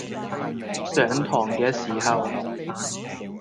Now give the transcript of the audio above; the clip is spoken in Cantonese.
上堂嘅時候